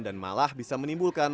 dan malah bisa menimbulkan